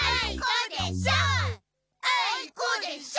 あいこでしょ！